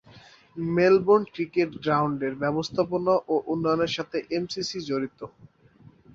Melbourne Cricket গ্রাউন্ডের ব্যবস্থাপনা ও উন্নয়নের সাথে এমসিসি জড়িত।